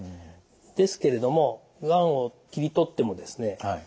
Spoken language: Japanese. ですけれどもがんを切り取ってもですね